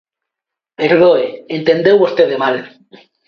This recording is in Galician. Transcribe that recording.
Perdoe, entendeu vostede mal.